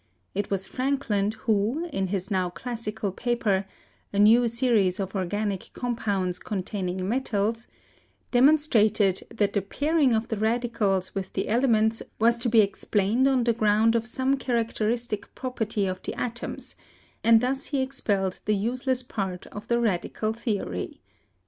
It was Frankland who, in his now classical paper — "A New Series of Organic Compounds containing Metals" — demonstrated that the pairing of the radicals with the elements was to be explained on the ground of some char acteristic property of the atoms, and thus he expelled the useless part of the radical theory (1852).